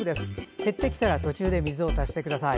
減ってきたら途中で水を足してください。